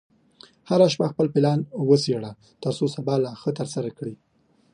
هره شپه خپل پلان وڅېړه، ترڅو سبا لا ښه ترسره کړې.